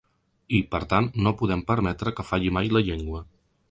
I, per tant, no podem permetre que falli mai la llengua.